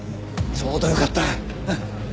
ちょうどよかった。